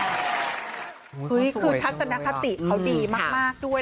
คือทักษะนักทัศน์ทหัวเขาดีมากด้วย